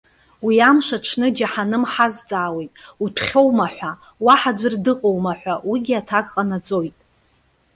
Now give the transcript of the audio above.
Уи амш аҽны, џьаҳаным ҳазҵаауеит: Уҭәхьоума?- ҳәа. Уаҳа ӡәыр дыҟоума?- ҳәа уигьы аҭак ҟанаҵоит.